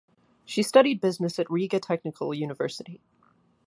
She studied business at Riga Technical University.